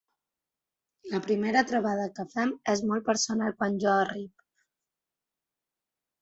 La primera trobada que fem és molt personal, quan jo arribo.